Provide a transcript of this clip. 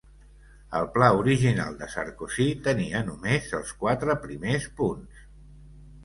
El pla original de Sarkozy tenia només els quatre primers punts.